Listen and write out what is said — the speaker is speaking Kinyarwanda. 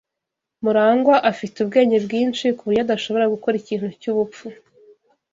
Murangwa afite ubwenge bwinshi kuburyo adashobora gukora ikintu cyubupfu.